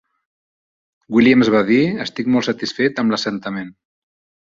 Williams va dir, estic molt satisfet amb l'assentament.